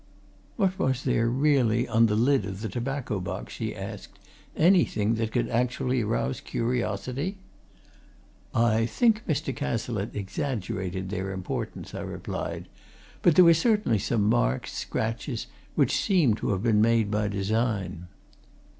"What was there, really, on the lid of the tobacco box?" she asked. "Anything that could actually arouse curiosity?" "I think Mr. Cazalette exaggerated their importance," I replied, "but there were certainly some marks, scratches, which seemed to have been made by design."